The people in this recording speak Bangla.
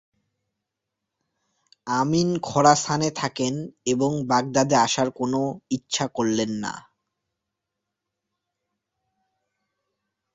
আমিন খোরাসানে থাকেন এবং বাগদাদে আসার কোনো কোনো ইচ্ছা করলেন না।